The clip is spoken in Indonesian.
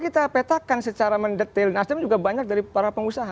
katakan secara mendetail nasdem juga banyak dari para pengusaha